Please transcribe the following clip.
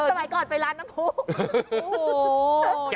สมัยก่อนไปร้านน้ำผู้